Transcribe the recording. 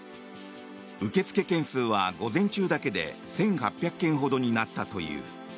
受け付け件数は午前中だけで１８００件ほどになったという。